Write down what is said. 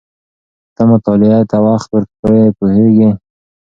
که ته مطالعې ته وخت ورکړې پوهېږې.